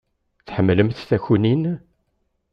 Tḥemmlemt takunin?